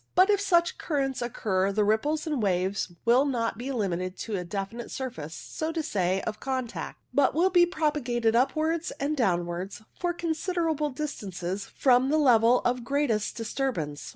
But if such currents occur the ripples and waves will not be limited to a definite surface, so to say, of contact, but will be propagated upwards and downwards for considerable distances from the level of greatest disturbance.